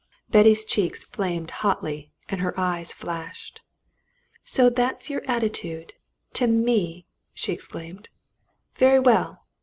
Betty's cheeks flamed hotly and her eyes flashed. "So that's your attitude to me!" she exclaimed. "Very well!